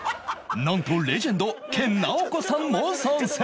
なんとレジェンド研ナオコさんも参戦